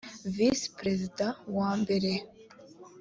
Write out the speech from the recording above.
visi perezida wa mbere